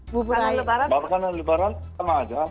makanan lebaran sama aja